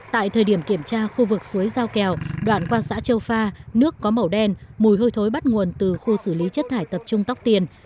tại thời điểm kiểm tra khu vực suối giao kèo đoạn qua xã châu pha nước có màu đen mùi hôi thối bắt nguồn từ khu xử lý chất thải tập trung tóc tiền